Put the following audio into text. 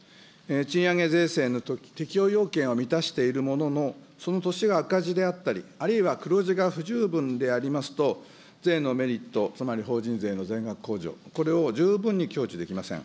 賃上げ税制の適用要件は満たしているものの、その年が赤字であったり、あるいは黒字が不十分でありますと、税のメリット、つまり法人税の全額控除、これを十分に享受できません。